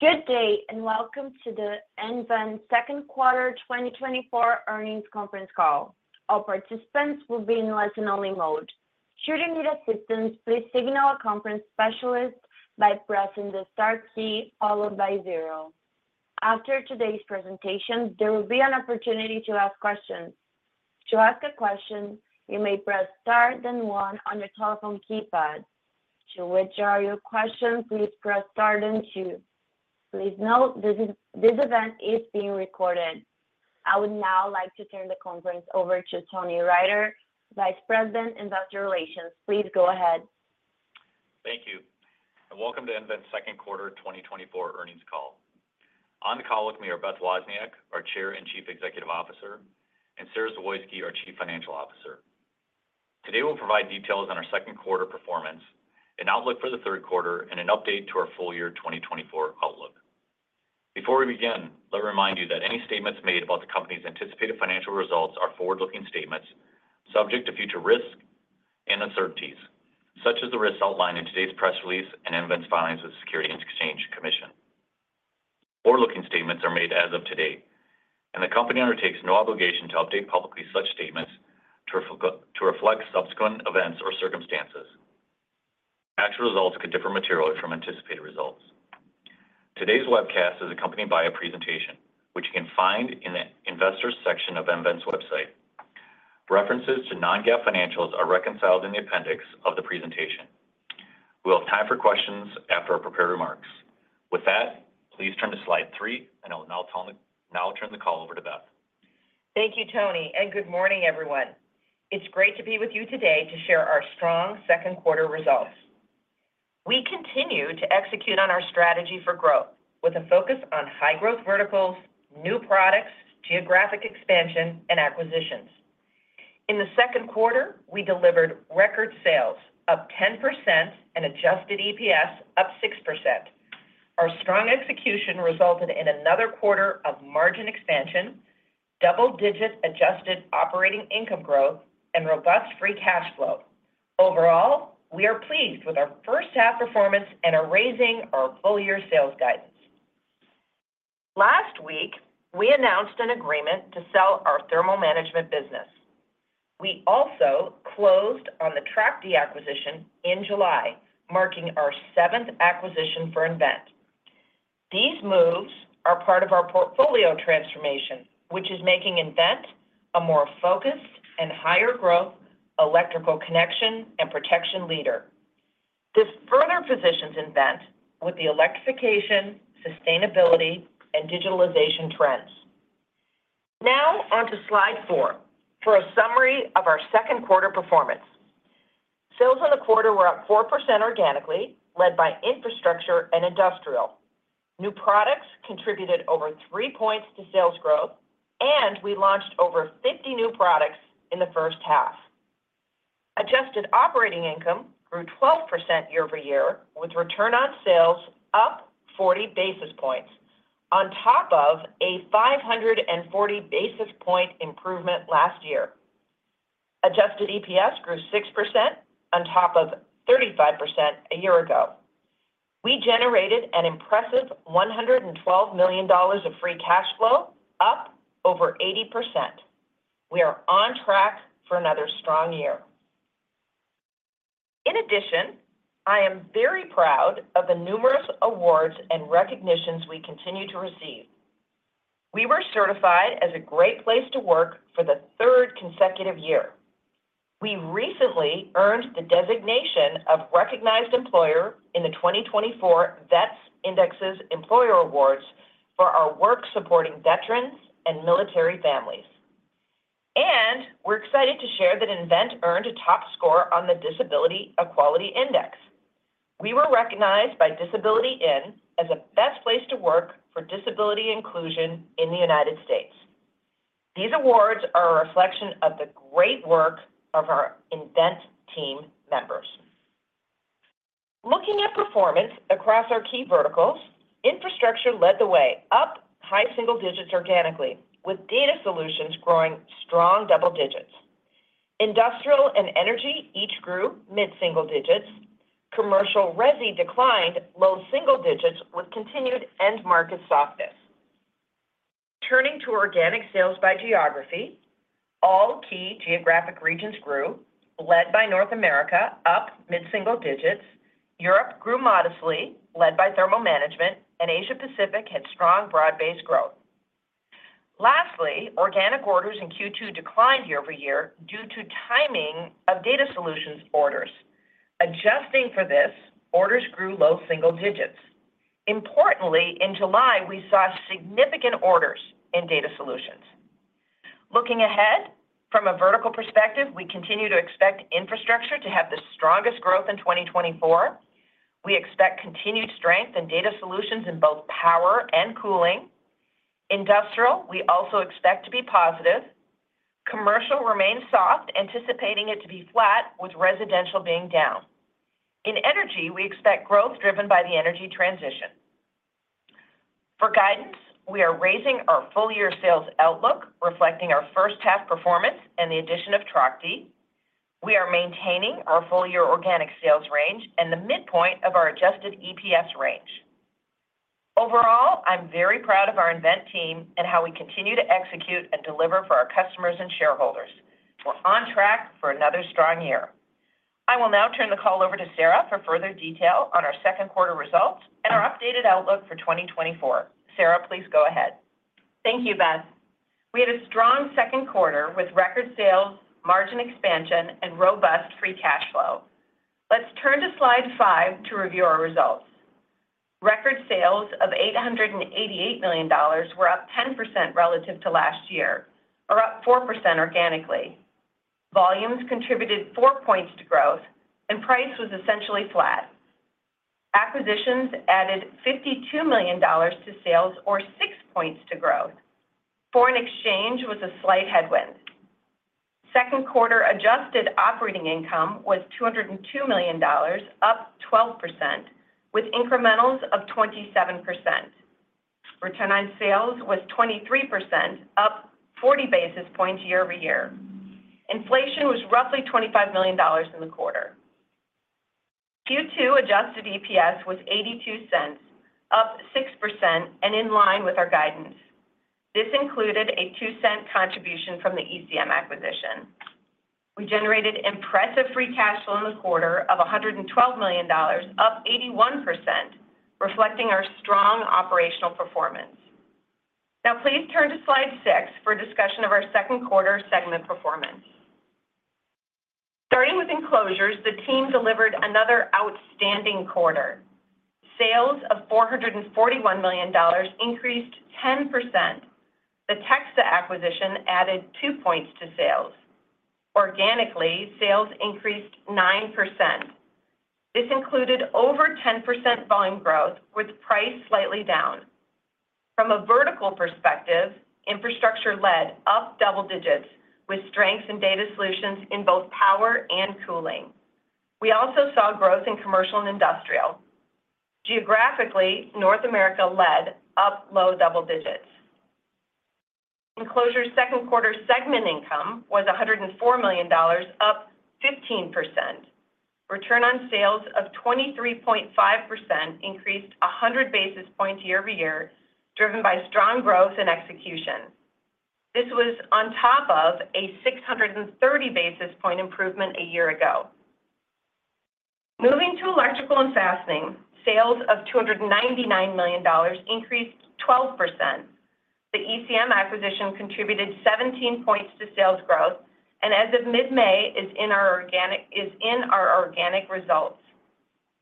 Good day, and welcome to the nVent second quarter 2024 earnings conference call. All participants will be in listen-only mode. Should you need assistance, please signal a conference specialist by pressing the star key, followed by zero. After today's presentation, there will be an opportunity to ask questions. To ask a question, you may press star, then one on your telephone keypad. To withdraw your question, please press star then two. Please note, this event is being recorded. I would now like to turn the conference over to Tony Riter, Vice President, Investor Relations. Please go ahead. Thank you, and welcome to nVent second quarter 2024 earnings call. On the call with me are Beth Wozniak, our Chair and Chief Executive Officer, and Sara Zawoyski, our Chief Financial Officer. Today, we'll provide details on our second quarter performance, an outlook for the third quarter, and an update to our full year 2024 outlook. Before we begin, let me remind you that any statements made about the company's anticipated financial results are forward-looking statements, subject to future risks and uncertainties, such as the risks outlined in today's press release and nVent's filings with the Securities and Exchange Commission. Forward-looking statements are made as of today, and the company undertakes no obligation to update publicly such statements to reflect subsequent events or circumstances. Actual results could differ materially from anticipated results. Today's webcast is accompanied by a presentation, which you can find in the Investors section of nVent's website. References to non-GAAP financials are reconciled in the appendix of the presentation. We'll have time for questions after our prepared remarks. With that, please turn to slide 3, and I will now turn the call over to Beth. Thank you, Tony, and good morning, everyone. It's great to be with you today to share our strong second quarter results. We continue to execute on our strategy for growth with a focus on high-growth verticals, new products, geographic expansion, and acquisitions. In the second quarter, we delivered record sales up 10% and adjusted EPS up 6%. Our strong execution resulted in another quarter of margin expansion, double-digit adjusted operating income growth, and robust free cash flow. Overall, we are pleased with our first half performance and are raising our full-year sales guidance. Last week, we announced an agreement to sell our Thermal Management business. We also closed on the Trachte acquisition in July, marking our 7th acquisition for nVent. These moves are part of our portfolio transformation, which is making nVent a more focused and higher growth electrical connection and protection leader. This further positions nVent with the electrification, sustainability, and digitalization trends. Now, on to Slide 4, for a summary of our second quarter performance. Sales in the quarter were up 4% organically, led by infrastructure and industrial. New products contributed over 3 points to sales growth, and we launched over 50 new products in the first half. Adjusted operating income grew 12% year over year, with return on sales up 40 basis points, on top of a 540 basis point improvement last year. Adjusted EPS grew 6% on top of 35% a year ago. We generated an impressive $112 million of free cash flow, up over 80%. We are on track for another strong year. In addition, I am very proud of the numerous awards and recognitions we continue to receive. We were certified as a great place to work for the third consecutive year. We recently earned the designation of Recognized Employer in the 2024 VETS Indexes Employer Awards for our work supporting veterans and military families. We're excited to share that nVent earned a top score on the Disability Equality Index. We were recognized by Disability:IN as the Best Place to Work for disability inclusion in the United States. These awards are a reflection of the great work of our nVent team members. Looking at performance across our key verticals, infrastructure led the way up high single digits organically, with data solutions growing strong double digits. Industrial and energy each grew mid-single digits. Commercial/Resi declined low single digits with continued end market softness. Turning to organic sales by geography, all key geographic regions grew, led by North America, up mid-single digits. Europe grew modestly, led by Thermal Management, and Asia Pacific had strong broad-based growth. Lastly, organic orders in Q2 declined year-over-year due to timing of data solutions orders. Adjusting for this, orders grew low single digits. Importantly, in July, we saw significant orders in data solutions. Looking ahead, from a vertical perspective, we continue to expect infrastructure to have the strongest growth in 2024. We expect continued strength in data solutions in both power and cooling. Industrial, we also expect to be positive. Commercial remains soft, anticipating it to be flat, with residential being down. In energy, we expect growth driven by the energy transition. For guidance, we are raising our full-year sales outlook, reflecting our first-half performance and the addition of Trachte. We are maintaining our full-year organic sales range and the midpoint of our adjusted EPS range. Overall, I'm very proud of our nVent team and how we continue to execute and deliver for our customers and shareholders. We're on track for another strong year. I will now turn the call over to Sara for further detail on our second quarter results and our updated outlook for 2024. Sara, please go ahead. Thank you, Beth. We had a strong second quarter with record sales, margin expansion, and robust free cash flow. Let's turn to slide 5 to review our results. Record sales of $888 million were up 10% relative to last year, or up 4% organically. Volumes contributed 4 points to growth, and price was essentially flat. Acquisitions added $52 million to sales or 6 points to growth. Foreign exchange was a slight headwind. Second quarter adjusted operating income was $202 million, up 12%, with incrementals of 27%. Return on sales was 23%, up 40 basis points year-over-year. Inflation was roughly $25 million in the quarter. Q2 adjusted EPS was $0.82, up 6%, and in line with our guidance. This included a $0.02 contribution from the ECM acquisition. We generated impressive free cash flow in the quarter of $112 million, up 81%, reflecting our strong operational performance. Now, please turn to slide 6 for a discussion of our second quarter segment performance. Starting with Enclosures, the team delivered another outstanding quarter. Sales of $441 million increased 10%. The TEXA acquisition added two points to sales. Organically, sales increased 9%. This included over 10% volume growth, with price slightly down. From a vertical perspective, infrastructure led up double digits, with strengths in data solutions in both power and cooling. We also saw growth in commercial and industrial. Geographically, North America led up low double digits. Enclosure second quarter segment income was $104 million, up 15%. Return on Sales of 23.5% increased 100 basis points year-over-year, driven by strong growth and execution. This was on top of a 630 basis point improvement a year ago. Moving to Electrical and Fastening, sales of $299 million increased 12%. The ECM acquisition contributed 17 points to sales growth, and as of mid-May, is in our organic results.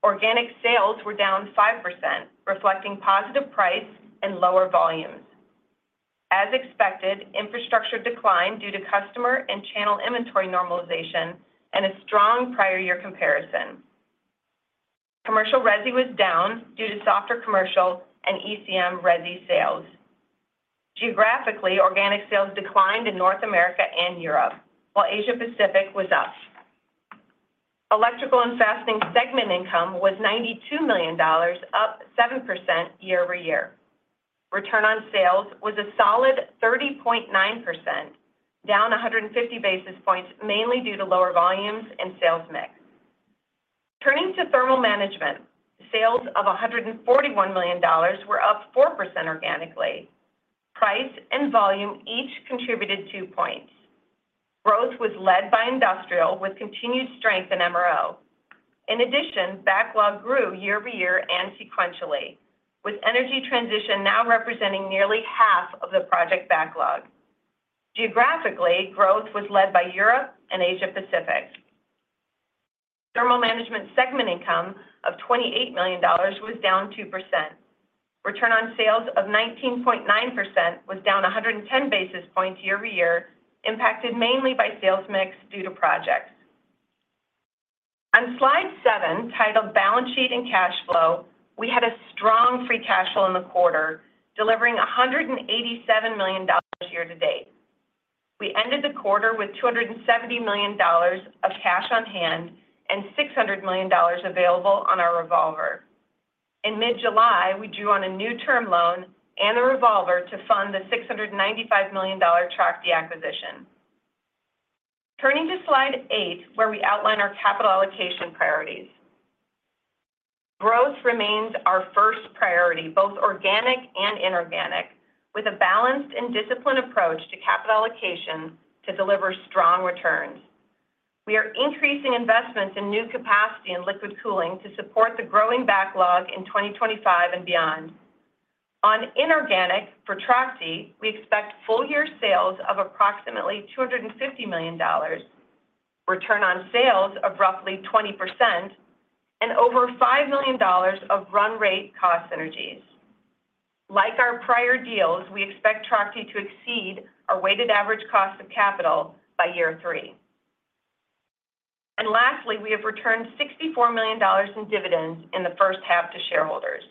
Organic sales were down 5%, reflecting positive price and lower volumes. As expected, infrastructure declined due to customer and channel inventory normalization and a strong prior year comparison. Commercial/Resi was down due to softer commercial and ECM Resi sales. Geographically, organic sales declined in North America and Europe, while Asia Pacific was up. Electrical and Fastening segment income was $92 million, up 7% year-over-year. Return on sales was a solid 30.9%, down 150 basis points, mainly due to lower volumes and sales mix. Turning to Thermal Management, sales of $141 million were up 4% organically. Price and volume each contributed 2 points. Growth was led by industrial, with continued strength in MRO. In addition, backlog grew year-over-year and sequentially, with energy transition now representing nearly half of the project backlog. Geographically, growth was led by Europe and Asia Pacific. Thermal Management segment income of $28 million was down 2%. Return on sales of 19.9% was down 110 basis points year-over-year, impacted mainly by sales mix due to projects. On slide seven, titled Balance Sheet and Cash Flow, we had a strong free cash flow in the quarter, delivering $187 million year to date. We ended the quarter with $270 million of cash on hand and $600 million available on our revolver. In mid-July, we drew on a new term loan and a revolver to fund the $695 million Trachte acquisition. Turning to slide eight, where we outline our capital allocation priorities. Growth remains our first priority, both organic and inorganic, with a balanced and disciplined approach to capital allocation to deliver strong returns. We are increasing investments in new capacity and liquid cooling to support the growing backlog in 2025 and beyond. On inorganic for Trachte, we expect full-year sales of approximately $250 million, return on sales of roughly 20%, and over $5 million of run rate cost synergies. Like our prior deals, we expect Trachte to exceed our weighted average cost of capital by year three. And lastly, we have returned $64 million in dividends in the first half to shareholders.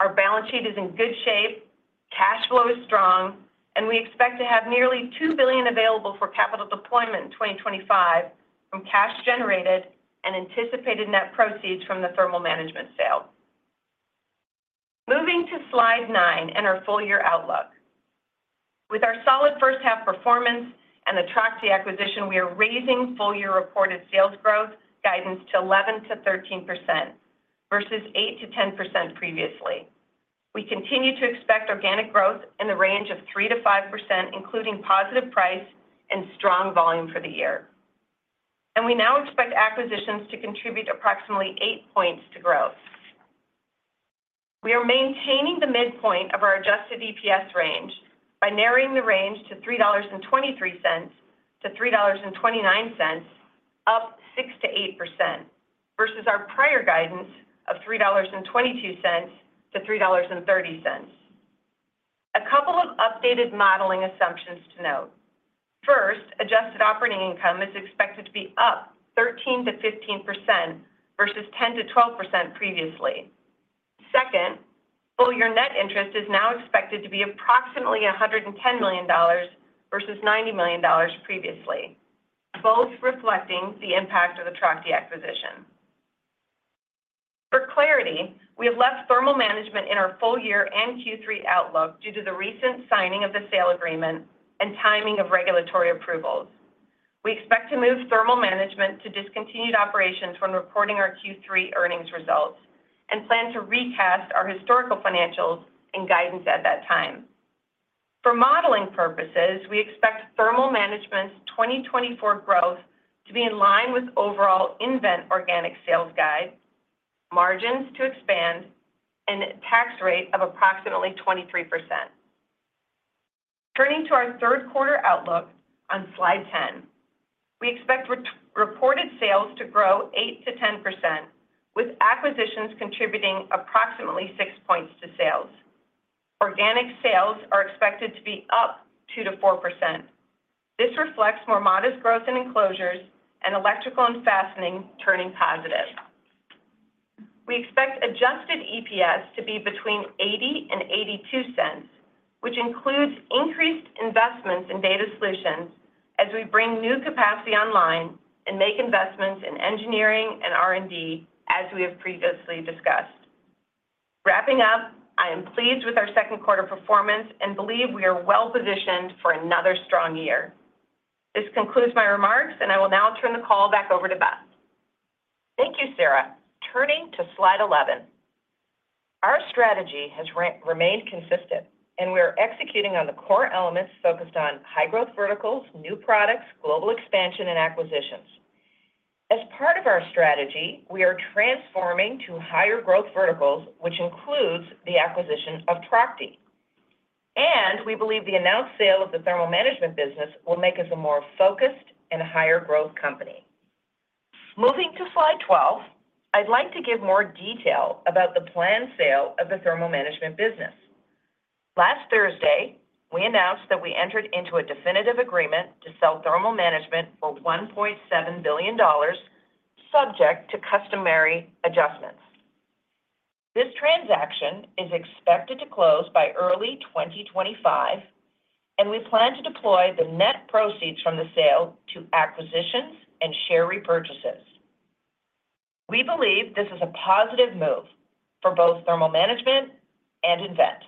Our balance sheet is in good shape, cash flow is strong, and we expect to have nearly $2 billion available for capital deployment in 2025 from cash generated and anticipated net proceeds from the Thermal Management sale. Turning to Slide nine and our full-year outlook. With our solid first half performance and the Trachte acquisition, we are raising full-year reported sales growth guidance to 11% to 13%, versus 8% to 10% previously. We continue to expect organic growth in the range of 3% to 5%, including positive price and strong volume for the year. We now expect acquisitions to contribute approximately 8 points to growth. We are maintaining the midpoint of our adjusted EPS range by narrowing the range to $3.23 to $3.29, up 6% to 8%, versus our prior guidance of $3.22 to $3.30. A couple of updated modeling assumptions to note. First, adjusted operating income is expected to be up 13% to 15% versus 10% to 12% previously. Second, full-year net interest is now expected to be approximately $110 million versus $90 million previously, both reflecting the impact of the Trachte acquisition. For clarity, we have left Thermal Management in our full year and Q3 outlook due to the recent signing of the sale agreement and timing of regulatory approvals. We expect to move Thermal Management to discontinued operations when reporting our Q3 earnings results and plan to recast our historical financials and guidance at that time. For modeling purposes, we expect Thermal Management's 2024 growth to be in line with overall to nVent organic sales guide, margins to expand, and a tax rate of approximately 23%. Turning to our third quarter outlook on Slide 10, we expect re-reported sales to grow 8%-10%, with acquisitions contributing approximately six points to sales. Organic sales are expected to be up 2% to 4%. This reflects more modest growth in Enclosures and electrical and fastening turning positive. We expect adjusted EPS to be between $0.80 and $0.82, which includes increased investments in data solutions as we bring new capacity online and make investments in engineering and R&D, as we have previously discussed. Wrapping up, I am pleased with our second quarter performance and believe we are well positioned for another strong year. This concludes my remarks, and I will now turn the call back over to Beth. Thank you, Sara. Turning to Slide 11. Our strategy has remained consistent, and we are executing on the core elements focused on high growth verticals, new products, global expansion, and acquisitions. As part of our strategy, we are transforming to higher growth verticals, which includes the acquisition of Trachte. We believe the announced sale of the Thermal Management business will make us a more focused and higher growth company. Moving to Slide 12, I'd like to give more detail about the planned sale of the Thermal Management business. Last Thursday, we announced that we entered into a definitive agreement to sell Thermal Management for $1.7 billion, subject to customary adjustments. This transaction is expected to close by early 2025, and we plan to deploy the net proceeds from the sale to acquisitions and share repurchases. We believe this is a positive move for both Thermal Management and nVent.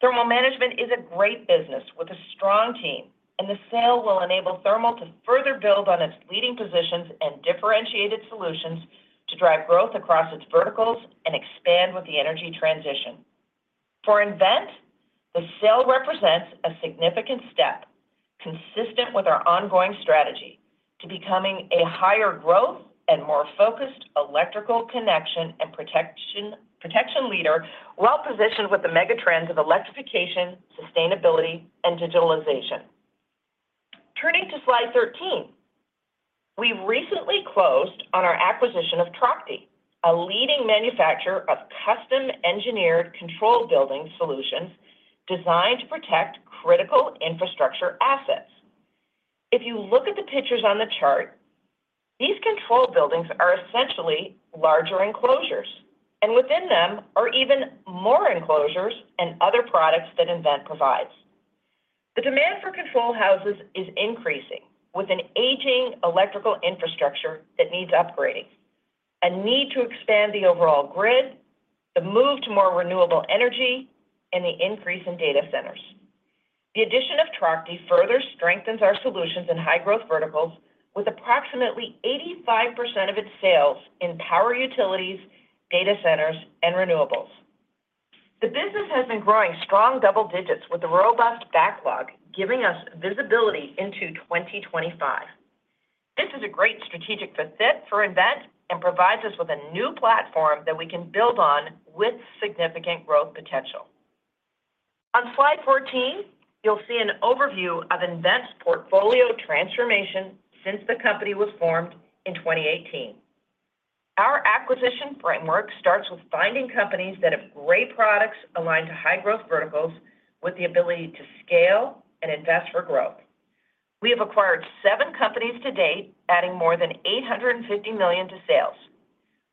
Thermal management is a great business with a strong team, and the sale will enable Thermal to further build on its leading positions and differentiated solutions to drive growth across its verticals and expand with the energy transition. For nVent, the sale represents a significant step consistent with our ongoing strategy to becoming a higher growth and more focused electrical connection and protection leader, well positioned with the megatrends of electrification, sustainability, and digitalization. Turning to Slide 13, we recently closed on our acquisition of Trachte, a leading manufacturer of custom-engineered control building solutions designed to protect critical infrastructure assets. If you look at the pictures on the chart, these control buildings are essentially larger Enclosures, and within them are even more Enclosures and other products that nVent provides. The demand for control houses is increasing, with an aging electrical infrastructure that needs upgrading, a need to expand the overall grid, the move to more renewable energy, and the increase in data centers. The addition of Trachte further strengthens our solutions in high-growth verticals, with approximately 85% of its sales in power utilities, data centers, and renewables. The business has been growing strong double digits with a robust backlog, giving us visibility into 2025. This is a great strategic fit for nVent and provides us with a new platform that we can build on with significant growth potential. On Slide 14, you'll see an overview of nVent's portfolio transformation since the company was formed in 2018. Our acquisition framework starts with finding companies that have great products aligned to high-growth verticals with the ability to scale and invest for growth. We have acquired 7 companies to date, adding more than $850 million to sales.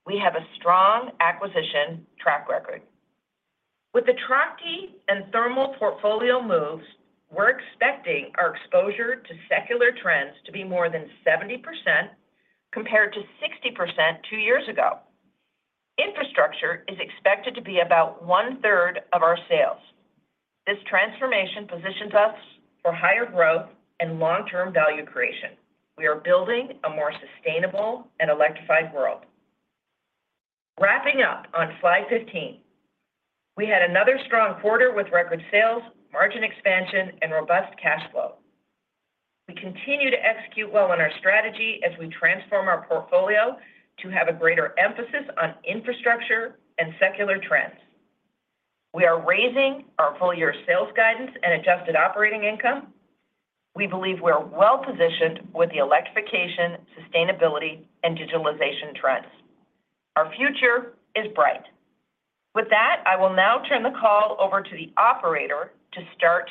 We have a strong acquisition track record. With the Trachte and Thermal portfolio moves, we're expecting our exposure to secular trends to be more than 70% compared to 60% two years ago. Infrastructure is expected to be about 1/3 of our sales. This transformation positions us for higher growth and long-term value creation. We are building a more sustainable and electrified world. Wrapping up on slide 15, we had another strong quarter with record sales, margin expansion, and robust cash flow. We continue to execute well on our strategy as we transform our portfolio to have a greater emphasis on infrastructure and secular trends. We are raising our full year sales guidance and adjusted operating income. We believe we are well positioned with the electrification, sustainability, and digitalization trends. Our future is bright. With that, I will now turn the call over to the operator to start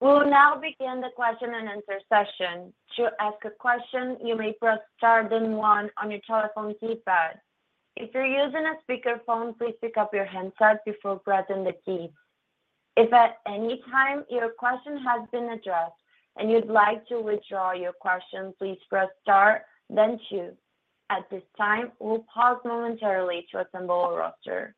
Q&A. We'll now begin the question and answer session. To ask a question, you may press star then one on your telephone keypad. If you're using a speakerphone, please pick up your handset before pressing the key. If at any time your question has been addressed and you'd like to withdraw your question, please press star then two. At this time, we'll pause momentarily to assemble a roster.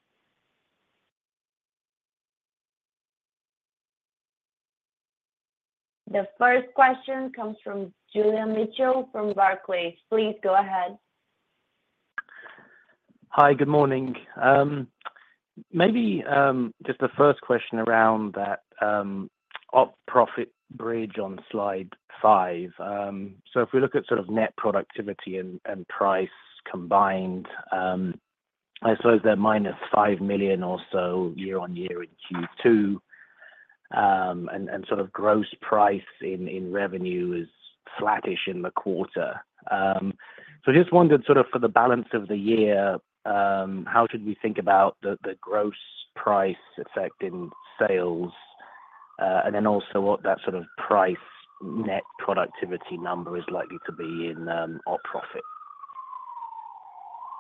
The first question comes from Julian Mitchell from Barclays. Please go ahead. Hi, good morning. Maybe, just the first question around that, op profit bridge on slide 5. So if we look at sort of net productivity and price combined, I suppose they're -$5 million or so year-over-year in Q2. And sort of gross price in revenue is flattish in the quarter. So just wondered, sort of for the balance of the year, how should we think about the gross price effect in sales? And then also what that sort of price, net productivity number is likely to be in op profit?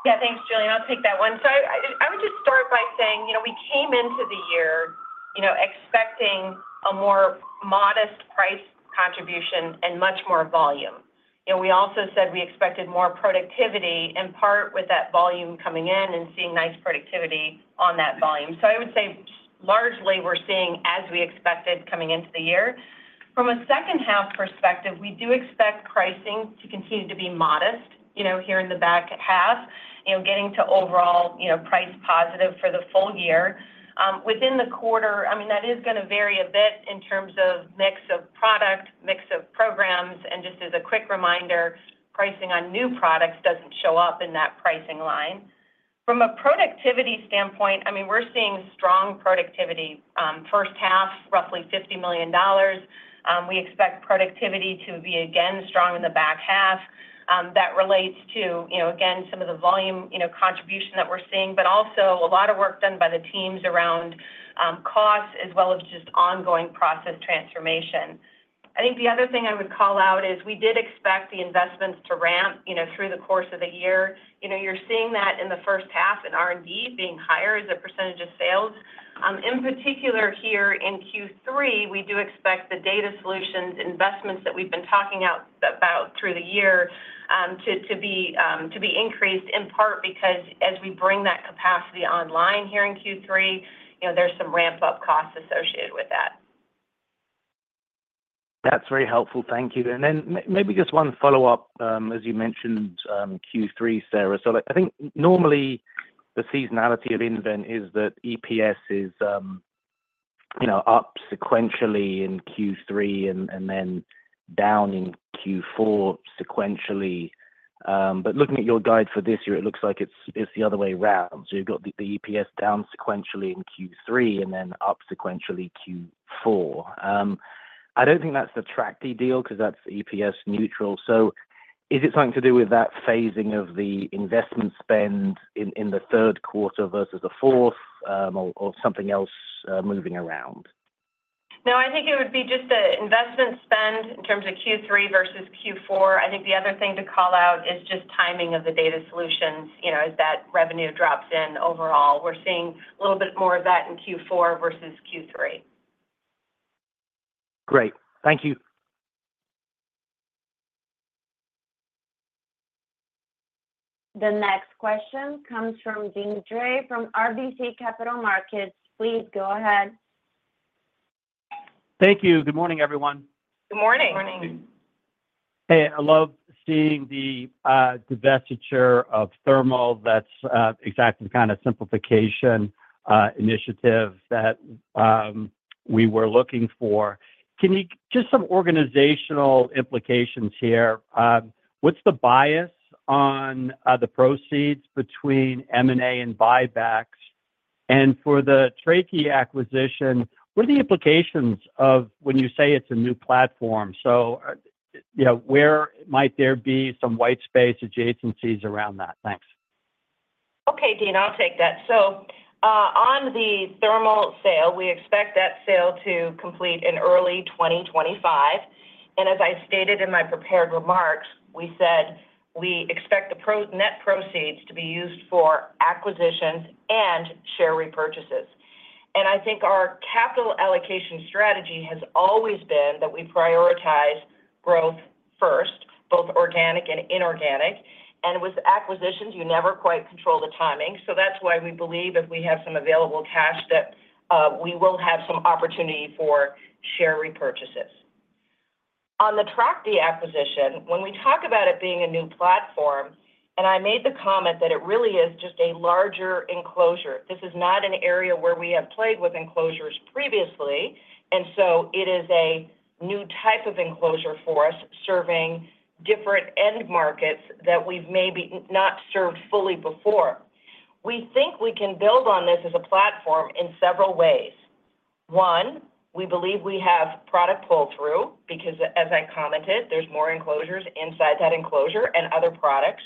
Yeah, thanks, Julian. I'll take that one. So I, I would just start by saying, you know, we came into the year, you know, expecting a more modest price contribution and much more volume. And we also said we expected more productivity, in part with that volume coming in and seeing nice productivity on that volume. So I would say largely we're seeing as we expected coming into the year. From a second half perspective, we do expect pricing to continue to be modest, you know, here in the back half, you know, getting to overall, you know, price positive for the full year. Within the quarter, I mean, that is gonna vary a bit in terms of mix of product, mix of programs, and just as a quick reminder, pricing on new products doesn't show up in that pricing line. From a productivity standpoint, I mean, we're seeing strong productivity. First half, roughly $50 million. We expect productivity to be again, strong in the back half. That relates to, you know, again, some of the volume, you know, contribution that we're seeing, but also a lot of work done by the teams around, costs as well as just ongoing process transformation. I think the other thing I would call out is we did expect the investments to ramp, you know, through the course of the year. You know, you're seeing that in the first half in R&D being higher as a percentage of sales. In particular, here in Q3, we do expect the data solutions investments that we've been talking about through the year to be increased, in part because as we bring that capacity online here in Q3, you know, there's some ramp-up costs associated with that. That's very helpful. Thank you. And then maybe just one follow-up, as you mentioned, Q3, Sara. So I think normally the seasonality of nVent is that EPS is, you know, up sequentially in Q3 and then down in Q4 sequentially. But looking at your guide for this year, it looks like it's the other way around. So you've got the EPS down sequentially in Q3 and then up sequentially Q4. I don't think that's the Trachte deal because that's EPS neutral. So is it something to do with that phasing of the investment spend in the third quarter versus the fourth, or something else moving around? No, I think it would be just the investment spend in terms of Q3 versus Q4. I think the other thing to call out is just timing of the data solutions, you know, as that revenue drops in overall. We're seeing a little bit more of that in Q4 versus Q3. Great. Thank you. The next question comes from Deane Dray from RBC Capital Markets. Please go ahead. Thank you. Good morning, everyone. Good morning. Good morning. Hey, I love seeing the divestiture of Thermal. That's exactly the kind of simplification initiative that we were looking for. Can you just some organizational implications here. What's the bias on the proceeds between M&A and buybacks? And for the Trachte acquisition, what are the implications of when you say it's a new platform? So, you know, where might there be some white space adjacencies around that? Thanks. Okay, Deane, I'll take that. So, on the Thermal sale, we expect that sale to complete in early 2025. And as I stated in my prepared remarks, we said we expect the net proceeds to be used for acquisitions and share repurchases. And I think our capital allocation strategy has always been that we prioritize growth first, both organic and inorganic. And with acquisitions, you never quite control the timing. So that's why we believe if we have some available cash, that we will have some opportunity for share repurchases. On the Trachte acquisition, when we talk about it being a new platform, and I made the comment that it really is just a larger enclosure. This is not an area where we have played with Enclosures previously, and so it is a new type of enclosure for us, serving different end markets that we've maybe not served fully before. We think we can build on this as a platform in several ways. One, we believe we have product pull-through because, as I commented, there's more Enclosures inside that enclosure and other products.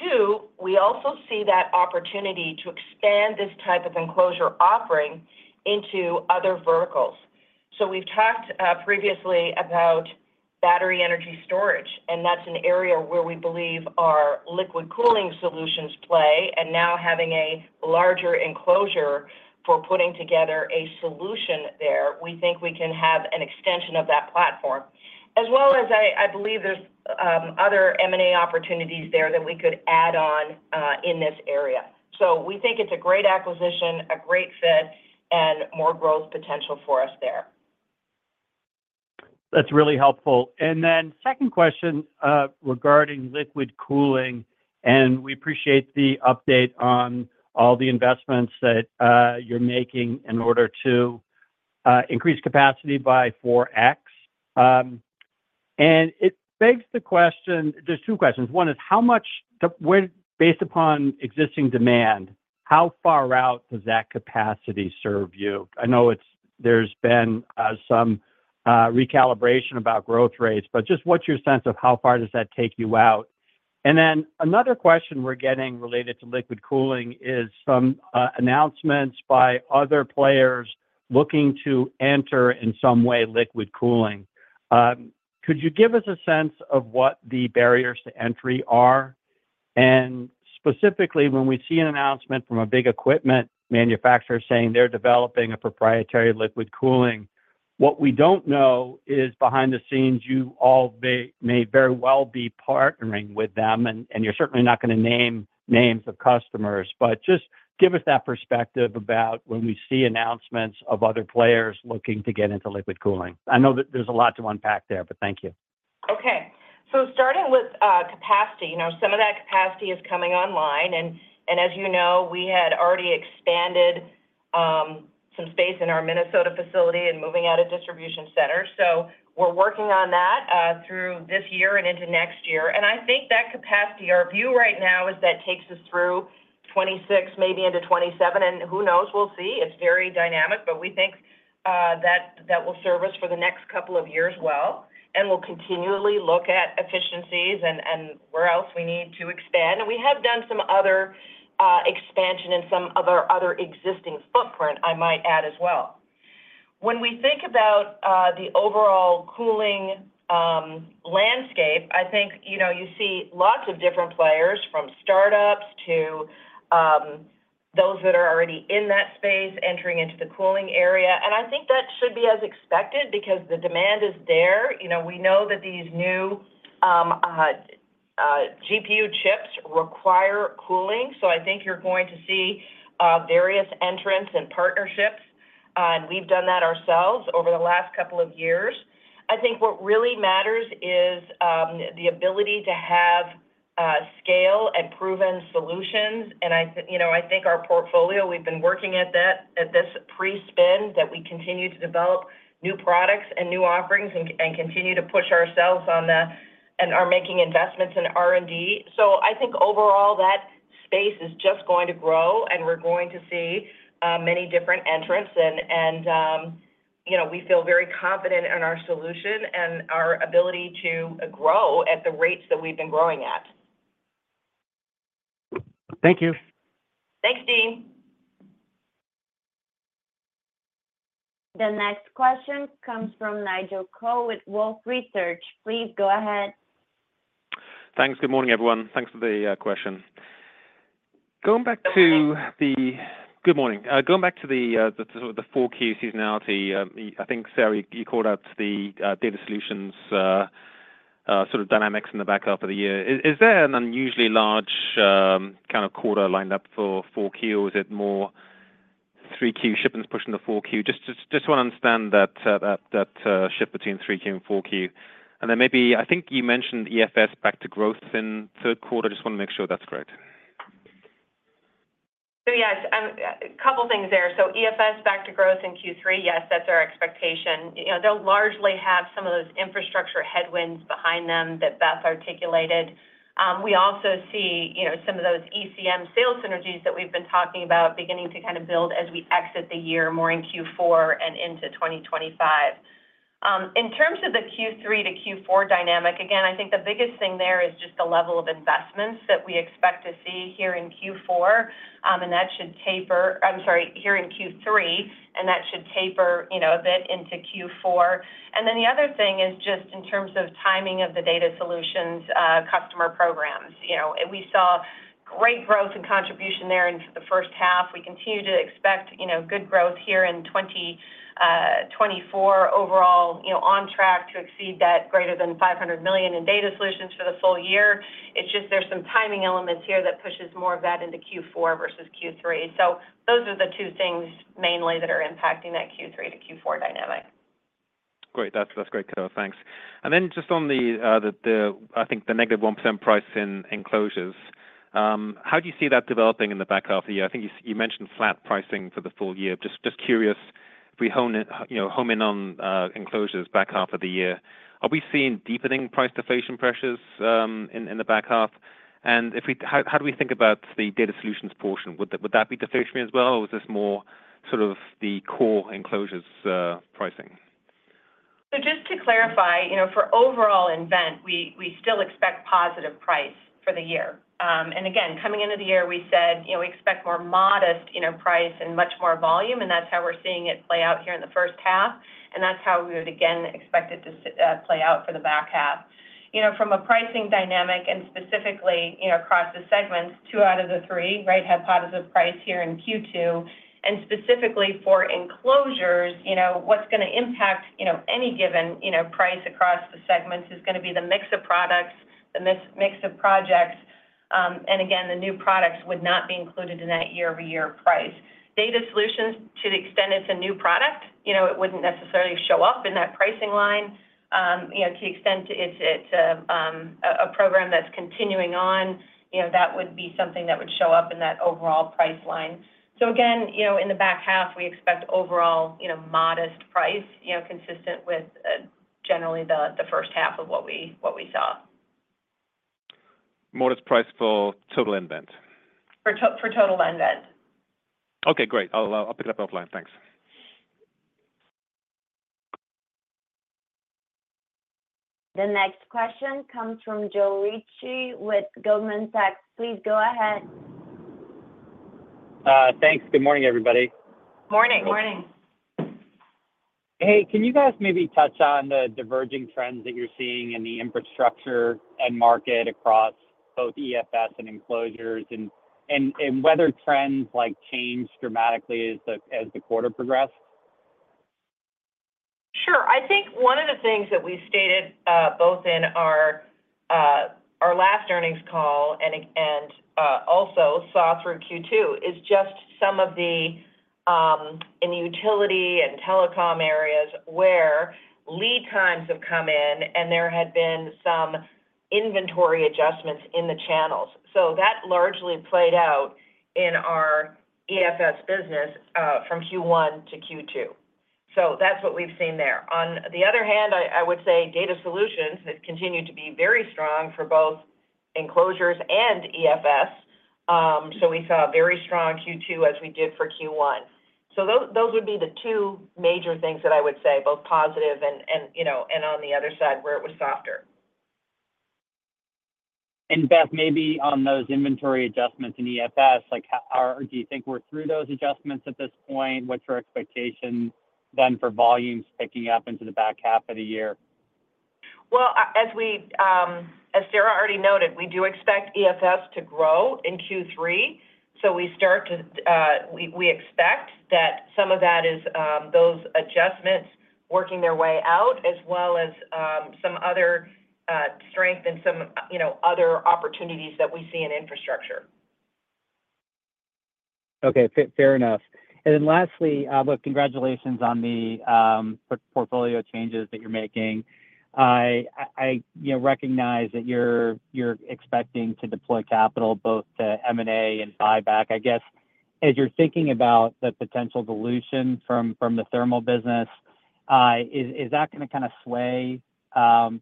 Two, we also see that opportunity to expand this type of enclosure offering into other verticals. So we've talked previously about battery energy storage, and that's an area where we believe our liquid cooling solutions play. And now having a larger enclosure for putting together a solution there, we think we can have an extension of that platform. As well as I, I believe there's other M&A opportunities there that we could add on in this area. We think it's a great acquisition, a great fit, and more growth potential for us there. That's really helpful. And then second question, regarding liquid cooling, and we appreciate the update on all the investments that you're making in order to increase capacity by 4x. And it begs the question. There's two questions. One is: based upon existing demand, how far out does that capacity serve you? I know there's been some recalibration about growth rates, but just what's your sense of how far does that take you out? And then another question we're getting related to liquid cooling is some announcements by other players looking to enter, in some way, liquid cooling. Could you give us a sense of what the barriers to entry are? Specifically, when we see an announcement from a big equipment manufacturer saying they're developing a proprietary liquid cooling, what we don't know is, behind the scenes, you all may, may very well be partnering with them, and, and you're certainly not going to name names of customers. But just give us that perspective about when we see announcements of other players looking to get into liquid cooling. I know that there's a lot to unpack there, but thank you. Okay. So starting with capacity, you know, some of that capacity is coming online, and as you know, we had already expanded some space in our Minnesota facility and moving out a distribution center. So we're working on that through this year and into next year. And I think that capacity, our view right now is that takes us through 2026, maybe into 2027, and who knows? We'll see. It's very dynamic, but we think that that will serve us for the next couple of years well, and we'll continually look at efficiencies and where else we need to expand. And we have done some other expansion in some of our other existing footprint, I might add as well. When we think about the overall cooling landscape, I think, you know, you see lots of different players, from startups to those that are already in that space, entering into the cooling area. And I think that should be as expected because the demand is there. You know, we know that these new GPU chips require cooling, so I think you're going to see various entrants and partnerships, and we've done that ourselves over the last couple of years. I think what really matters is the ability to have scale and proven solutions. And I you know, I think our portfolio, we've been working at that at this pre-spin, that we continue to develop new products and new offerings and, and continue to push ourselves on the and are making investments in R&D. I think overall, that space is just going to grow, and we're going to see many different entrants. You know, we feel very confident in our solution and our ability to grow at the rates that we've been growing at. Thank you. Thanks, Deane. The next question comes from Nigel Coe with Wolfe Research. Please go ahead. Thanks. Good morning, everyone. Thanks for the question. Going back to the sort of the four key seasonality, I think, Sara, you called out the data solutions sort of dynamics in the back half of the year. Is there an unusually large kind of quarter lined up for Q4, or is it more Q3 shipments pushing the Q4? Just want to understand that shift between Q3 and Q4. And then maybe, I think you mentioned EFS back to growth in third quarter. I just want to make sure that's correct. So yes, a couple of things there. So EFS back to growth in Q3, yes, that's our expectation. You know, they'll largely have some of those infrastructure headwinds behind them that Beth articulated. We also see, you know, some of those ECM sales synergies that we've been talking about beginning to kind of build as we exit the year, more in Q4 and into 2025. In terms of the Q3 to Q4 dynamic, again, I think the biggest thing there is just the level of investments that we expect to see here in Q3, and that should taper, you know, a bit into Q4. And then the other thing is just in terms of timing of the data solutions, customer programs. You know, we saw great growth and contribution there in the first half. We continue to expect, you know, good growth here in 2024 overall, you know, on track to exceed that greater than $500 million in data solutions for the full year. It's just there's some timing elements here that pushes more of that into Q4 versus Q3. So those are the two things mainly that are impacting that Q3 to Q4 dynamic. Great. That's great. Thanks. And then just on the, I think, the negative 1% price in Enclosures, how do you see that developing in the back half of the year? I think you mentioned flat pricing for the full year. Just curious, if we hone in, you know, hone in on Enclosures back half of the year, are we seeing deepening price deflation pressures in the back half? And how do we think about the Data Solutions portion? Would that be deflationary as well, or was this more sort of the core Enclosures pricing? So just to clarify, you know, for overall nVent, we still expect positive price for the year. And again, coming into the year, we said, you know, we expect more modest in our price and much more volume, and that's how we're seeing it play out here in the first half, and that's how we would again expect it to play out for the back half. You know, from a pricing dynamic and specifically, you know, across the segments, two out of the three, right, had positive price here in Q2, and specifically for Enclosures, you know, what's gonna impact, you know, any given, you know, price across the segments is gonna be the mix of products, the mix of projects. And again, the new products would not be included in that year-over-year price. Data Solutions, to the extent it's a new product, you know, it wouldn't necessarily show up in that pricing line. You know, to the extent it's a program that's continuing on, you know, that would be something that would show up in that overall price line. So again, you know, in the back half, we expect overall, you know, modest price, you know, consistent with generally the first half of what we saw. Modest price for total inventory? For total nVent. Okay, great. I'll pick it up offline. Thanks. The next question comes from Joe Ritchie with Goldman Sachs. Please go ahead. Thanks. Good morning, everybody. Morning. Morning. Hey, can you guys maybe touch on the diverging trends that you're seeing in the infrastructure and market across both EFS and Enclosures, and whether trends like changed dramatically as the quarter progressed? Sure. I think one of the things that we stated, both in our last earnings call and also saw through Q2, is just some of the in the utility and telecom areas where lead times have come in and there had been some inventory adjustments in the channels. So that largely played out in our EFS business, from Q1 to Q2. So that's what we've seen there. On the other hand, I would say Data Solutions has continued to be very strong for both Enclosures and EFS. So we saw a very strong Q2 as we did for Q1. So those would be the two major things that I would say, both positive and, you know, and on the other side, where it was softer. Beth, maybe on those inventory adjustments in EFS, like, do you think we're through those adjustments at this point? What's your expectation then for volumes picking up into the back half of the year? Well, as we, as Sara already noted, we do expect EFS to grow in Q3, so we start to, we expect that some of that is, those adjustments working their way out, as well as, some other strength and some, you know, other opportunities that we see in infrastructure. Okay. Fair, fair enough. And then lastly, look, congratulations on the portfolio changes that you're making. I, you know, recognize that you're expecting to deploy capital both to M&A and buyback. I guess, as you're thinking about the potential dilution from the thermal business, is that gonna kind of sway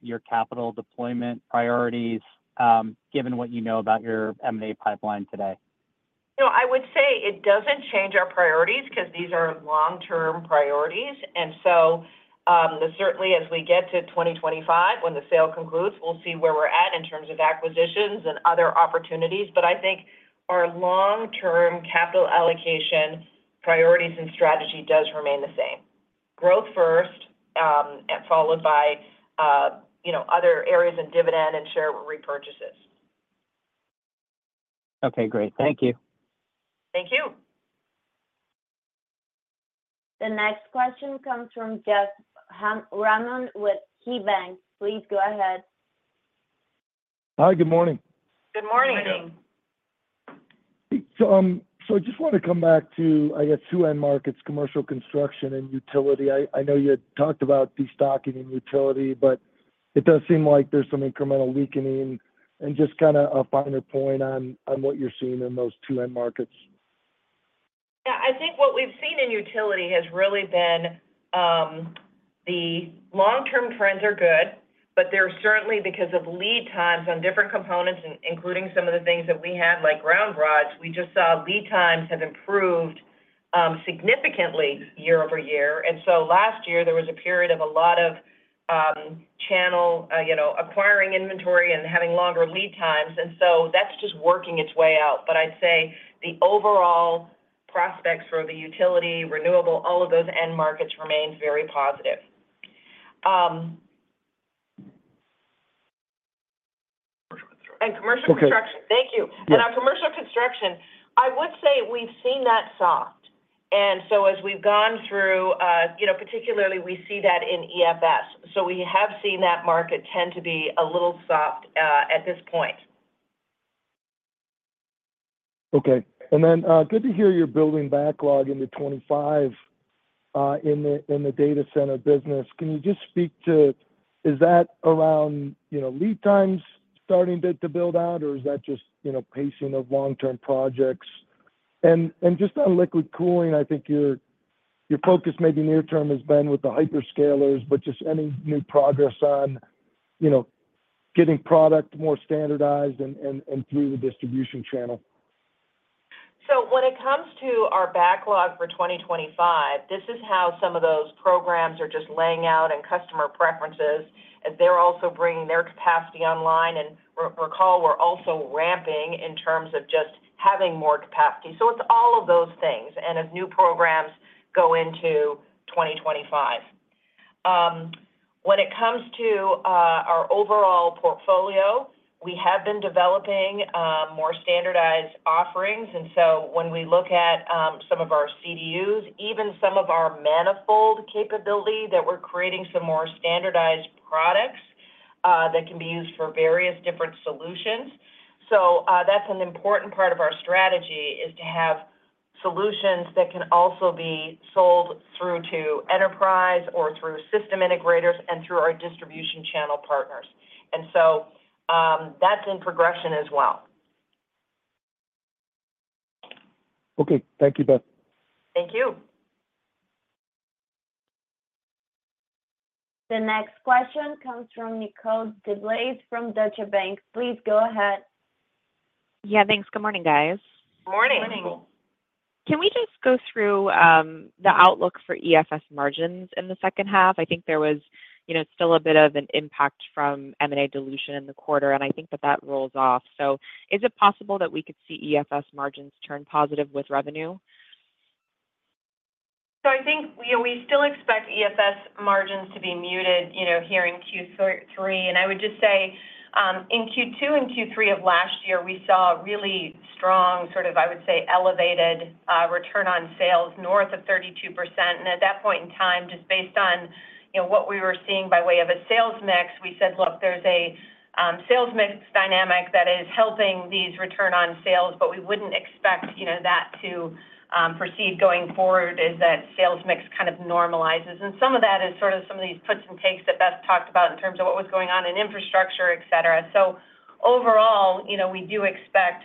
your capital deployment priorities, given what you know about your M&A pipeline today? You know, I would say it doesn't change our priorities, because these are long-term priorities, and so, certainly as we get to 2025, when the sale concludes, we'll see where we're at in terms of acquisitions and other opportunities. But I think our long-term capital allocation priorities and strategy does remain the same. Growth first, and followed by, you know, other areas in dividend and share repurchases. Okay, great. Thank you. Thank you. The next question comes from Jeff Hammond with KeyBanc. Please go ahead. Hi, good morning. Good morning. Good morning. So, I just want to come back to, I guess, two end markets, commercial construction and utility. I know you had talked about destocking in utility, but it does seem like there's some incremental weakening and just kinda a finer point on what you're seeing in those two end markets. Yeah, I think what we've seen in utility has really been, the long-term trends are good, but they're certainly because of lead times on different components, including some of the things that we had, like ground rods. We just saw lead times have improved, significantly year-over-year, and so last year there was a period of a lot of, channel, you know, acquiring inventory and having longer lead times, and so that's just working its way out. But I'd say the overall prospects for the utility, renewable, all of those end markets remains very positive. Commercial construction. Okay. Thank you. Yes. On commercial construction, I would say we've seen that soft. So as we've gone through, you know, particularly, we see that in EFS. So we have seen that market tend to be a little soft at this point. Okay. Good to hear you're building backlog into 2025 in the data center business. Can you just speak to, is that around, you know, lead times starting to build out, or is that just, you know, pacing of long-term projects? And just on liquid cooling, I think your focus maybe near term has been with the hyperscalers, but just any new progress on, you know, getting product more standardized and through the distribution channel? So when it comes to our backlog for 2025, this is how some of those programs are just laying out and customer preferences, as they're also bringing their capacity online. And recall, we're also ramping in terms of just having more capacity. So it's all of those things, and as new programs go into 2025. When it comes to our overall portfolio, we have been developing more standardized offerings, and so when we look at some of our CDUs, even some of our manifold capability, that we're creating some more standardized products that can be used for various different solutions. So that's an important part of our strategy, is to have solutions that can also be sold through to enterprise or through system integrators and through our distribution channel partners. And so that's in progression as well. Okay. Thank you, Beth. Thank you. The next question comes from Nicole DeBlase from Deutsche Bank. Please go ahead. Yeah, thanks. Good morning, guys. Morning. Can we just go through the outlook for EFS margins in the second half? I think there was, you know, still a bit of an impact from M&A dilution in the quarter, and I think that that rolls off. So is it possible that we could see EFS margins turn positive with revenue? So I think we, we still expect EFS margins to be muted, you know, here in Q3. And I would just say, in Q2 and Q3 of last year, we saw a really strong, sort of, I would say, elevated return on sales north of 32%. And at that point in time, just based on, you know, what we were seeing by way of a sales mix, we said, "Look, there's a sales mix dynamic that is helping these return on sales, but we wouldn't expect, you know, that to proceed going forward as that sales mix kind of normalizes." And some of that is sort of some of these puts and takes that Beth talked about in terms of what was going on in infrastructure, et cetera. So overall, you know, we do expect,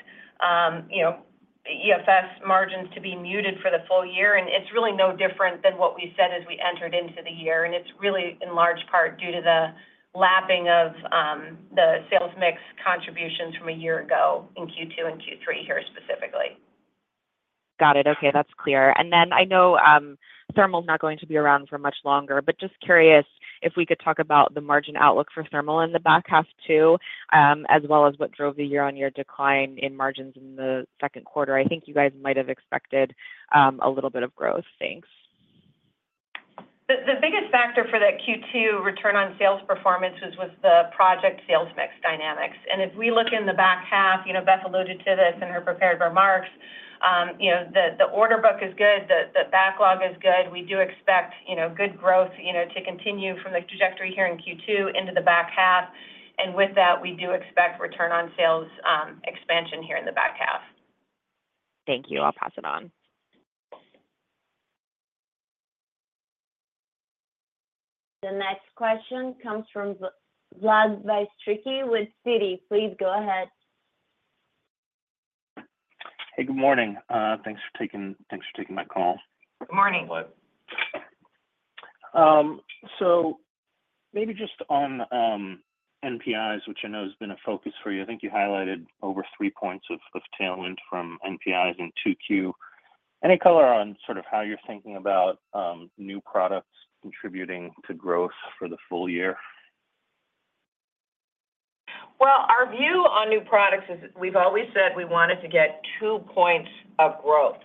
you know, EFS margins to be muted for the full year, and it's really no different than what we said as we entered into the year, and it's really in large part due to the lapping of, the sales mix contributions from a year ago in Q2 and Q3 here specifically. Got it. Okay, that's clear. And then I know, thermal is not going to be around for much longer, but just curious if we could talk about the margin outlook for thermal in the back half too, as well as what drove the year-on-year decline in margins in the second quarter. I think you guys might have expected, a little bit of growth. Thanks. The biggest factor for that Q2 return on sales performance was with the project sales mix dynamics. If we look in the back half, you know, Beth alluded to this in her prepared remarks, you know, the order book is good, the backlog is good. We do expect, you know, good growth, you know, to continue from the trajectory here in Q2 into the back half. And with that, we do expect return on sales expansion here in the back half. Thank you. I'll pass it on. The next question comes from Vlad Bystricky with Citi. Please go ahead. Hey, good morning. Thanks for taking, thanks for taking my call. Good morning. So maybe just on NPIs, which I know has been a focus for you. I think you highlighted over 3 points of tailwind from NPIs in Q2. Any color on sort of how you're thinking about new products contributing to growth for the full year? Well, our view on new products is we've always said we wanted to get two points of growth,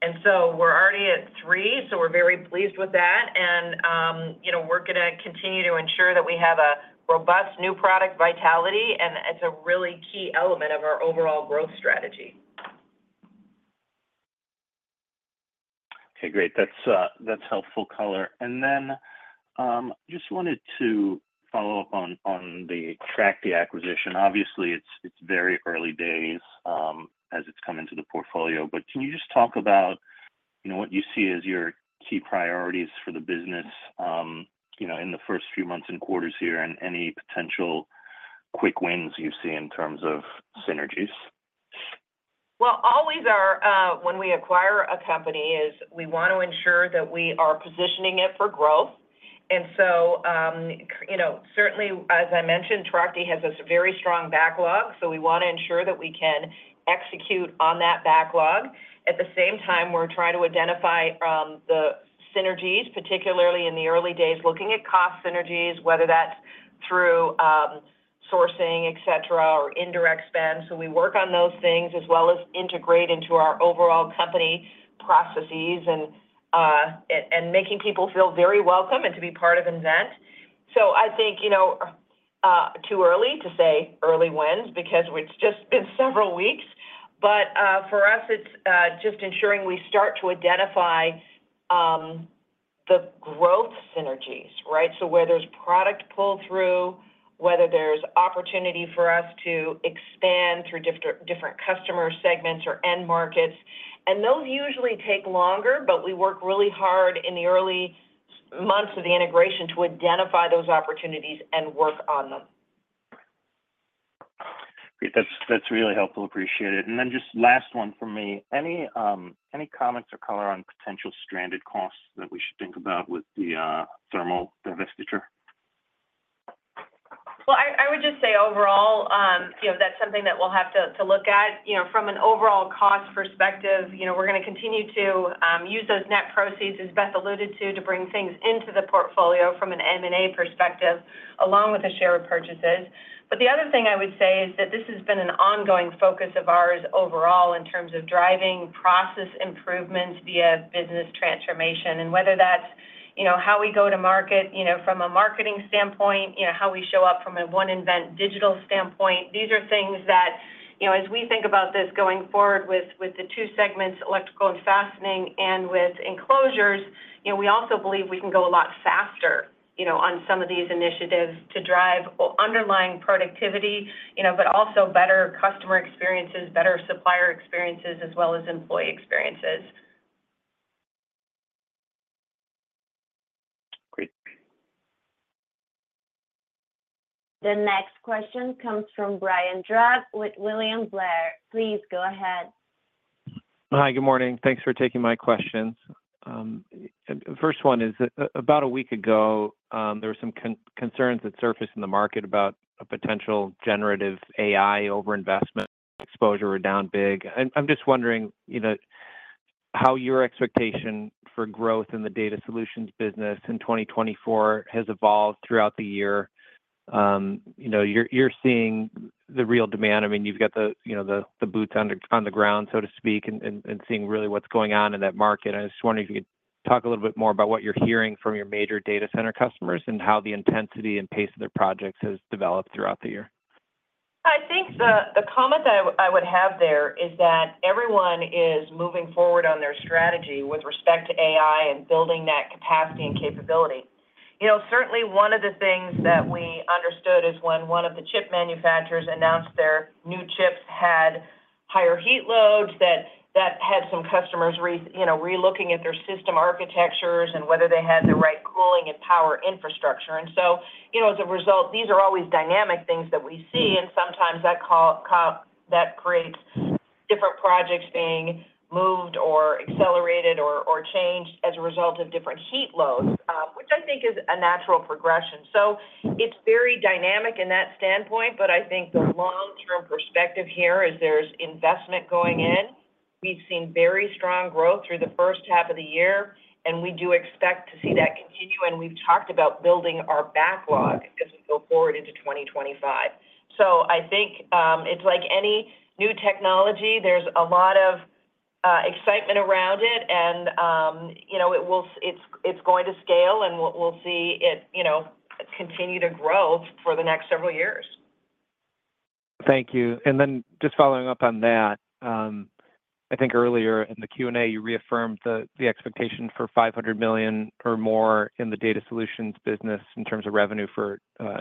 and so we're already at three, so we're very pleased with that. And, you know, we're gonna continue to ensure that we have a robust new product vitality, and it's a really key element of our overall growth strategy. Okay, great. That's helpful color. And then, just wanted to follow up on the Trachte acquisition. Obviously, it's very early days, as it's come into the portfolio, but can you just talk about, you know, what you see as your key priorities for the business, you know, in the first few months and quarters here, and any potential quick wins you see in terms of synergies? Well, always our, when we acquire a company, is we want to ensure that we are positioning it for growth. And so, you know, certainly, as I mentioned, Trachte has a very strong backlog, so we want to ensure that we can execute on that backlog. At the same time, we're trying to identify the synergies, particularly in the early days, looking at cost synergies, whether that's through sourcing, et cetera, or indirect spend. So we work on those things as well as integrate into our overall company processes and and making people feel very welcome and to be part of nVent. So I think, you know, too early to say early wins because it's just been several weeks, but for us, it's just ensuring we start to identify the growth synergies, right? So, where there's product pull-through, whether there's opportunity for us to expand through different, different customer segments or end markets, and those usually take longer, but we work really hard in the early months of the integration to identify those opportunities and work on them. Great. That's, that's really helpful. Appreciate it. And then just last one from me: any, any comments or color on potential stranded costs that we should think about with the thermal divestiture? Well, I would just say overall, you know, that's something that we'll have to look at. You know, from an overall cost perspective, you know, we're gonna continue to use those net proceeds, as Beth alluded to, to bring things into the portfolio from an M&A perspective, along with the share purchases. But the other thing I would say is that this has been an ongoing focus of ours overall in terms of driving process improvements via business transformation, and whether that's, you know, how we go to market, you know, from a marketing standpoint, you know, how we show up from a one nVent digital standpoint. These are things that, you know, as we think about this going forward with, with the two segments, electrical and fastening and with Enclosures, you know, we also believe we can go a lot faster, you know, on some of these initiatives to drive underlying productivity, you know, but also better customer experiences, better supplier experiences, as well as employee experiences. Great. The next question comes from Brian Drab with William Blair. Please go ahead. Hi, good morning. Thanks for taking my questions. First one is, about a week ago, there were some concerns that surfaced in the market about a potential Generative AI overinvestment, exposure were down big. I'm just wondering, you know, how your expectation for growth in the data solutions business in 2024 has evolved throughout the year. You know, you're seeing the real demand. I mean, you've got the, you know, the boots on the ground, so to speak, and seeing really what's going on in that market. I just wondering if you could talk a little bit more about what you're hearing from your major data center customers and how the intensity and pace of their projects has developed throughout the year. I think the comment that I would have there is that everyone is moving forward on their strategy with respect to AI and building that capacity and capability. You know, certainly one of the things that we understood is when one of the chip manufacturers announced their new chips had higher heat loads, that had some customers you know, relooking at their system architectures and whether they had the right cooling and power infrastructure. So, you know, as a result, these are always dynamic things that we see, and sometimes that creates different projects being moved or accelerated or changed as a result of different heat loads, which I think is a natural progression. So it's very dynamic in that standpoint, but I think the long-term perspective here is there's investment going in. We've seen very strong growth through the first half of the year, and we do expect to see that continue, and we've talked about building our backlog as we go forward into 2025. So I think, it's like any new technology, there's a lot of excitement around it, and, you know, it's going to scale, and we'll see it, you know, continue to grow for the next several years. Thank you. And then just following up on that, I think earlier in the Q&A, you reaffirmed the expectation for $500 million or more in the data solutions business in terms of revenue for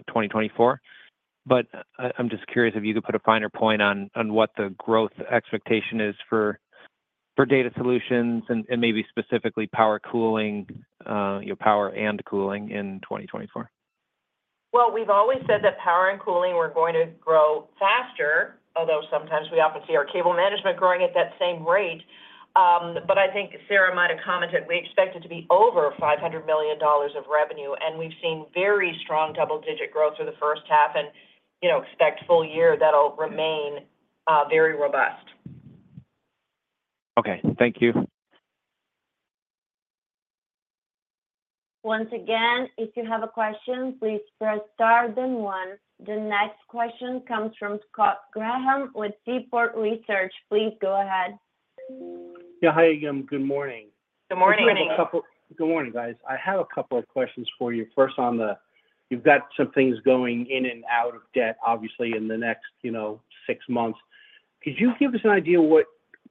2024. But I'm just curious if you could put a finer point on what the growth expectation is for data solutions and maybe specifically power cooling, you know, power and cooling in 2024. Well, we've always said that power and cooling were going to grow faster, although sometimes we often see our cable management growing at that same rate. But I think Sara might have commented we expect it to be over $500 million of revenue, and we've seen very strong double-digit growth through the first half and, you know, expect full year, that'll remain very robust. Okay. Thank you. Once again, if you have a question, please press star then one. The next question comes from Scott Graham with Seaport Research. Please go ahead. Yeah. Hi, good morning. Good morning. Good morning, guys. I have a couple of questions for you. First, on the, you've got some things going in and out of debt, obviously, in the next, you know, six months. Could you give us an idea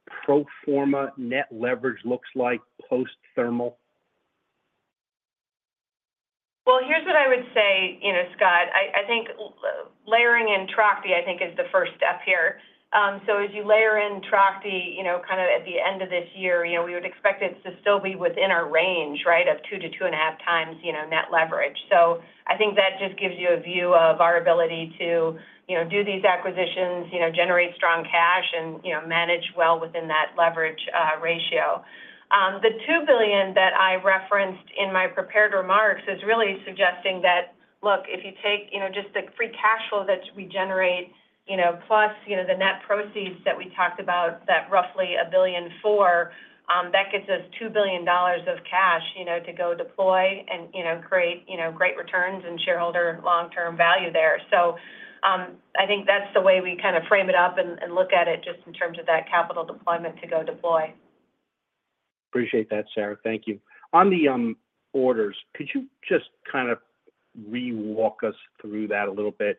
what pro forma net leverage looks like post-thermal? Well, here's what I would say, you know, Scott. I think layering in Trachte, I think is the first step here. So as you layer in Trachte, you know, kind of at the end of this year, you know, we would expect it to still be within our range, right, of 2-2.5x, you know, net leverage. So I think that just gives you a view of our ability to, you know, do these acquisitions, you know, generate strong cash and, you know, manage well within that leverage ratio. The $2 billion that I referenced in my prepared remarks is really suggesting that, look, if you take, you know, just the free cash flow that we generate, you know, plus, you know, the net proceeds that we talked about, that roughly $1.4 billion, that gets us $2 billion of cash, you know, to go deploy and, you know, create, you know, great returns and shareholder long-term value there. So, I think that's the way we kind of frame it up and, and look at it just in terms of that capital deployment to go deploy. Appreciate that, Sara. Thank you. On the orders, could you just kind of re-walk us through that a little bit?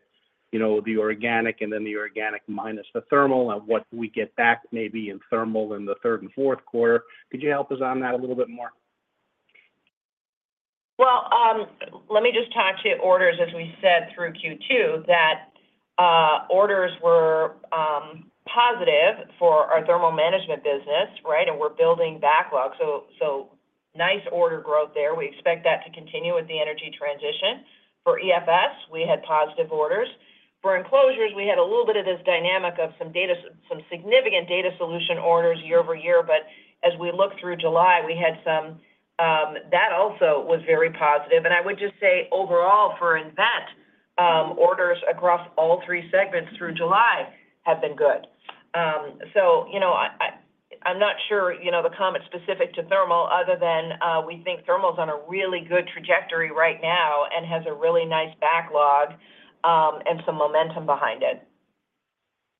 You know, the organic and then the organic minus the thermal, and what we get back maybe in thermal in the third and fourth quarter. Could you help us on that a little bit more? Well, let me just talk to orders, as we said through Q2, that orders were positive for our Thermal Management business, right? And we're building backlog. So, nice order growth there. We expect that to continue with the energy transition. For EFS, we had positive orders. For Enclosures, we had a little bit of this dynamic of some significant data solution orders year over year, but as we look through July, we had some. That also was very positive. And I would just say, overall, for nVent, orders across all three segments through July have been good. So, you know, I’m not sure, you know, the comment specific to thermal other than we think thermal is on a really good trajectory right now and has a really nice backlog, and some momentum behind it.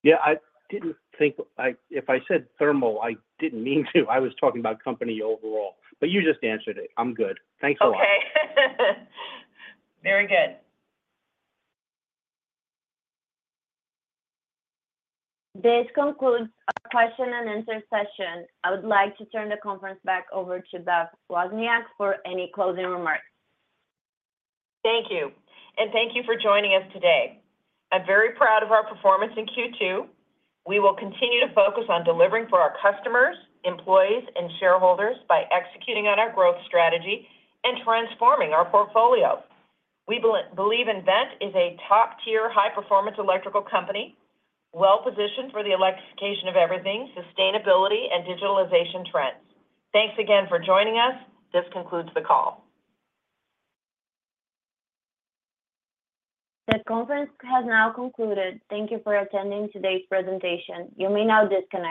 Yeah, I didn't think—if I said thermal, I didn't mean to. I was talking about company overall, but you just answered it. I'm good. Thanks a lot. Okay. Very good. This concludes our question and answer session. I would like to turn the conference back over to Beth Wozniak for any closing remarks. Thank you, and thank you for joining us today. I'm very proud of our performance in Q2. We will continue to focus on delivering for our customers, employees, and shareholders by executing on our growth strategy and transforming our portfolio. We believe nVent is a top-tier, high-performance electrical company, well-positioned for the electrification of everything, sustainability, and digitalization trends. Thanks again for joining us. This concludes the call. The conference has now concluded. Thank you for attending today's presentation. You may now disconnect.